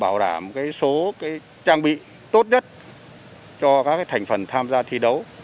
bảo đảm số trang bị tốt nhất cho các thành phần tham gia thi đấu